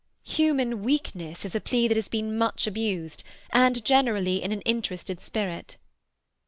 "Human weakness is a plea that has been much abused, and generally in an interested spirit."